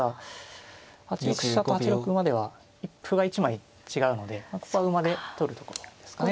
８六飛車と８六馬では歩が１枚違うのでここは馬で取るところですかね。